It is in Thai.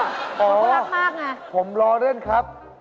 ผมรักมากน่ะอ๋อผมรอเล่นครับ